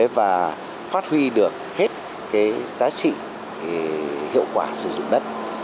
và phát huy được hết cái giá trị hiệu quả sử dụng đất